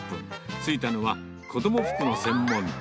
着いたのは、子ども服の専門店。